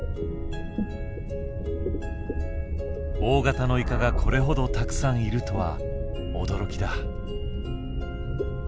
大型のイカがこれほどたくさんいるとは驚きだ。